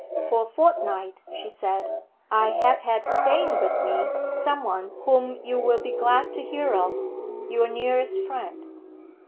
'For a fortnight,' she said, 'I have had staying with me someone whom you will be glad to hear of your nearest friend.'